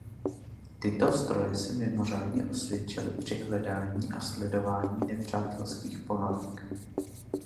Tyto stroje se mimořádně osvědčily při hledání a sledování nepřátelských ponorek.